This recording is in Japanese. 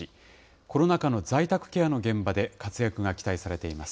コロナ禍の在宅ケアの現場で活躍が期待されています。